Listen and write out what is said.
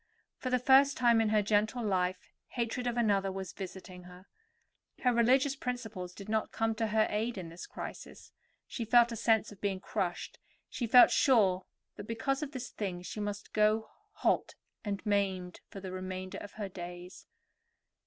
For the first time in her gentle life hatred of another was visiting her. Her religious principles did not come to her aid in this crisis; she felt a sense of being crushed, she felt sure that because of this thing she must go halt and maimed for the remainder of her days.